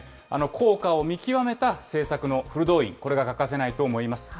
効果を見極めた政策のフル動員、これが欠かせないと思います。